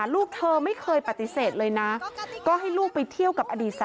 อ่าอ่าอ่าอ่าอ่า